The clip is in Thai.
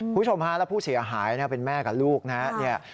ผู้ชมฮาและผู้เสียหายเป็นแม่กับลูกนะ